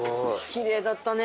きれいだったね。